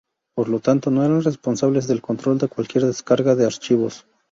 Por lo tanto, no eran responsables del control de cualquier descarga de archivos.